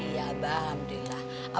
iya abah alhamdulillah